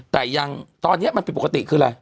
แต่ยังตอนนี้มันผิดปกติคืออะไร